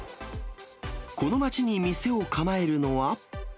この街に店を構えるのは。